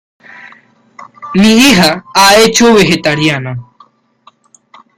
Mi hija ha hecho vegetariana.